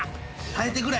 耐えてくれ！